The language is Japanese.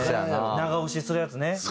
長押しするやつね。